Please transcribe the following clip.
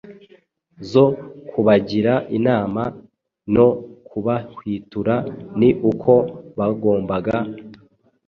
zo kubagira inama no kubahwitura ni uko bagombaga